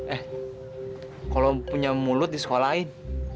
eh kalo punya mulut disekolahin